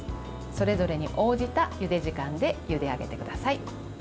それぞれに応じたゆで時間でゆで上げてください。